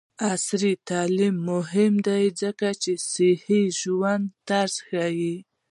عصري تعلیم مهم دی ځکه چې د صحي ژوند طرز ښيي.